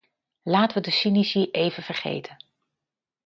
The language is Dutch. Laten we de cynici even vergeten!